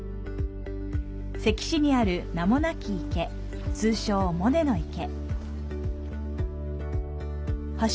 関市にある名もなき池、通称、モネの池。